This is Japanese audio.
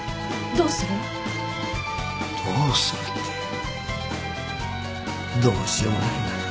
どうするってどうしようもないがな。